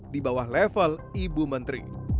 di bawah level ibu menteri